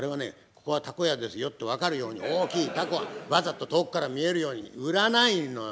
ここは凧屋ですよって分かるように大きい凧をわざと遠くから見えるように売らないのよ。